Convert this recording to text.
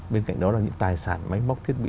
bên cạnh đó là những tài sản máy móc thiết bị